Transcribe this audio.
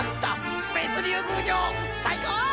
スペースりゅうぐうじょうさいこう！